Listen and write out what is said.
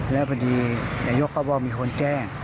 แล้วพอดีนายกเขาบอกมีคนแจ้ง